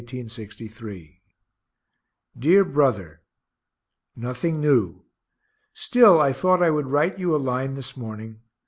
_ DEAR BROTHER Nothing new; still I thought I would write you a line this morning.